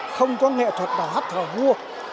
không có nghệ thuật bảo hát thở vua